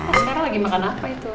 tante sarah lagi makan apa itu sayang